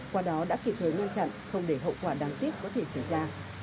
qua đó đã kịp thời ngăn chặn không để hậu quả đáng tiếc có thể xảy ra